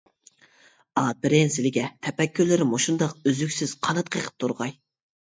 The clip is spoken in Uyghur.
ئاپىرىن سىلىگە، تەپەككۇرلىرى مۇشۇنداق ئۈزۈكسىز قانات قېقىپ تۇرغاي.